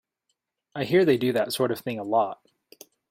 I hear they do that sort of thing a lot.